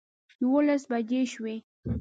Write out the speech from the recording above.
یوولس بجې شوې.